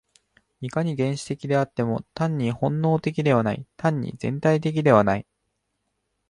いかに原始的であっても、単に本能的ではない、単に全体的ではない。